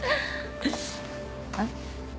あっ。